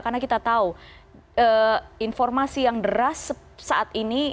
karena kita tahu informasi yang deras saat ini